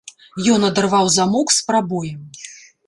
Ён адарваў замок з прабоем.